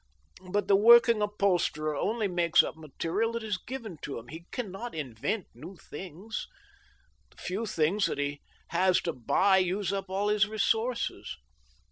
But the working upholsterer only makes up material that is given him. He can not invent new things. The few things that he has to buy use up all his resources.